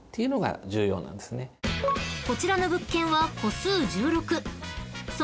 ［こちらの物件は戸数１６］